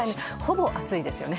ほぼ暑いですよね。